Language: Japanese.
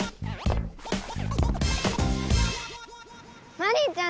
マリンちゃん